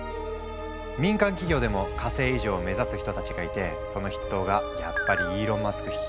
民間企業でも火星移住を目指す人たちがいてその筆頭がやっぱりイーロン・マスク率いるスペースＸ。